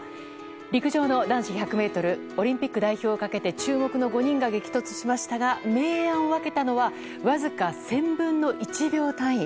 陸上の男子１００ｍオリンピック代表をかけて注目の５人が激突しましたが明暗を分けたのはわずか１０００分の１秒単位。